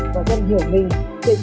và dân hiểu mình